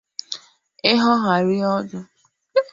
e hogharịa ọdụ